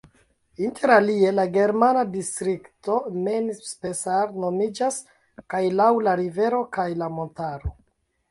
Inter alie la germana distrikto Main-Spessart nomiĝas kaj laŭ la rivero kaj la montaro.